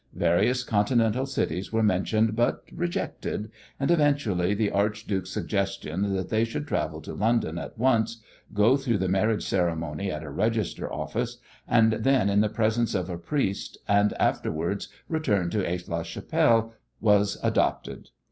Various Continental cities were mentioned, but rejected, and eventually the archduke's suggestion that they should travel to London at once, go through the marriage ceremony at a register office, and then in the presence of a priest, and afterwards return to Aix la Chapelle, was adopted.